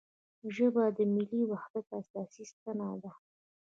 ژبه د ملي وحدت اساسي ستن ده